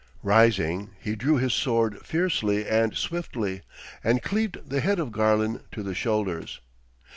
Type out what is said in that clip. Rising, he drew his sword fiercely and swiftly, and cleaved the head of Garlon to the shoulders.